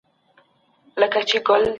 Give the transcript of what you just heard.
مثبت فکر آرامتیا نه کموي.